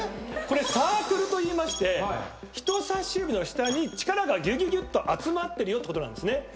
これサークルといいまして人さし指の下に力がぎゅぎゅぎゅっと集まってるってこと。